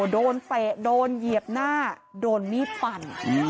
เตะโดนเหยียบหน้าโดนมีดปั่น